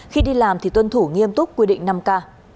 khi đi làm thì tuân thủ nghiêm túc quy định năm k